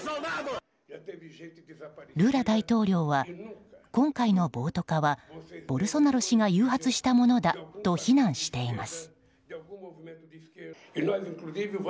ルラ大統領は今回の暴徒化はボルソナロ氏が誘発したものだと非難しています。